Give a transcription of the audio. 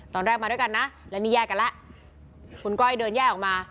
ตอนแรกมาด้วยกันนะและนี่แยกกันแล้วคุณก้อยเดินแยกออกมา